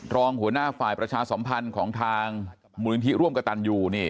รองหัวหน้าฝ่ายประชาสมพันธ์ของทางมุมเงินที่ร่วมกระตัญอยู่นี่